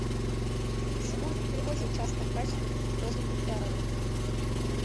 Сымон і прывозіў часта к бацьку розных дактароў.